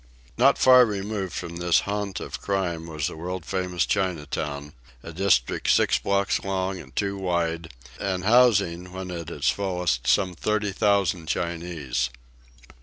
Not far removed from this haunt of crime was the world famous Chinatown, a district six blocks long and two wide, and housing when at its fullest some 30,000 Chinese.